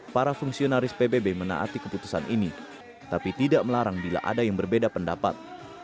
para fungsionaris pbb menaati keputusan ini tapi tidak melarang bila ada yang berbeda pendapat